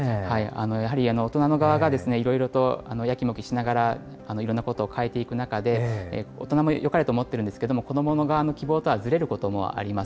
やはり大人の側がいろいろとやきもきしながらいろんなことを変えていく中で、大人もよかれと思っているんですけれども、子どもの側の希望とはずれることもあります。